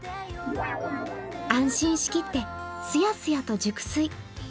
安心しきってすやすやと熟睡。